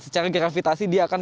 secara gravitasi dia akan